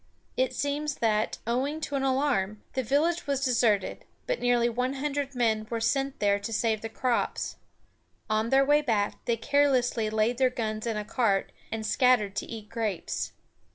It seems that, owing to an alarm, the village was deserted, but nearly one hundred men were sent there to save the crops. On their way back, they carelessly laid their guns in a cart, and scattered to eat grapes.